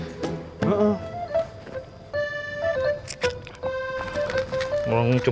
cuman dipanggil buat ngasih duit tuh